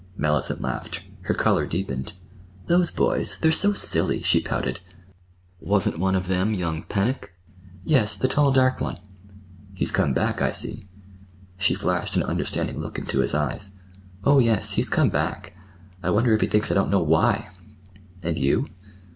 Mellicent laughed. Her color deepened. "Those boys—they're so silly!" she pouted. "Wasn't one of them young Pennock?" "Yes, the tall, dark one." "He's come back, I see." She flashed an understanding look into his eyes. "Oh, yes, he's come back. I wonder if he thinks I don't know—why!" "And—you?"